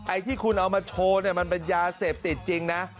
ไอ้ที่คุณเอามาโชว์เนี่ยมันเป็นยาเสพติดจริงนะ